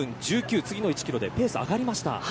次の１キロでペースが上がりました。